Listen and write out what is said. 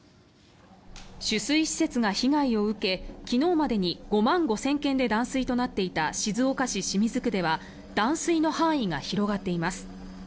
取水施設が被害を受け昨日までに５万５０００軒で断水となっていた静岡市清水区では断水の範囲が広がっています。